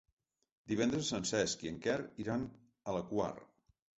Divendres en Cesc i en Quer iran a la Quar.